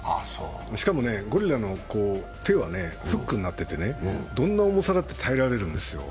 しかもゴリラの手はフックになっていてどんな重さだって耐えられるんですよ。